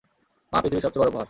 মা পৃথিবীর সবচেয়ে বড় উপহার।